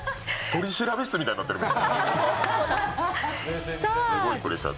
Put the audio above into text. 取調室みたいになってるもん。